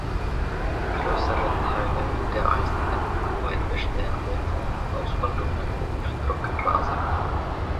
Größere Teile der einstigen Weide bestehen heute aus Waldungen und Trockenrasen.